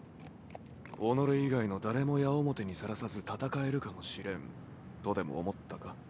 己以外の誰も矢面にさらさず戦えるかもしれんとでも思ったか？